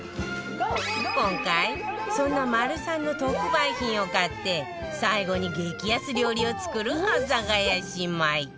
今回そんなマルサンの特売品を買って最後に激安料理を作る阿佐ヶ谷姉妹